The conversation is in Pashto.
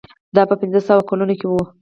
دا په پنځه سوه کلونو کې و.